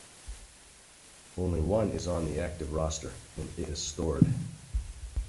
Only one is on the active roster, and it is stored.